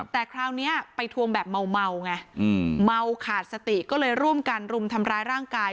แต่คราวนี้ไปทวงแบบเมาไงเมาขาดสติก็เลยร่วมกันรุมทำร้ายร่างกาย